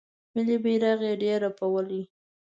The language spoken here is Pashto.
ملي بیرغ یې ډیر رپولی